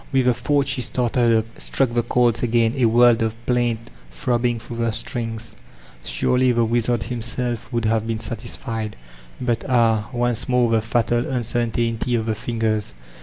With the thought she started up, stmdr the diords again, a world of pbunt throbbiog through the strings; sorely the wizard htmsdf wouM have been satisfied. But ah» once more the fatal uncertainty of the fingers.